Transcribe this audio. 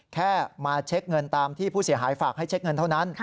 แค่มาเช็คเงินตามที่ผู้เสียหายฝากให้เช็คเงินเท่านั้น